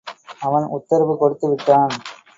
அவன் உத்தரவு கொடுத்து விட்டான்.